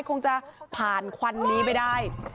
คงจะผ่านควันนี้ไปได้